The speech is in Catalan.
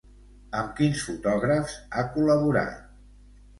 Amb quins fotògrafs ha col·laborat?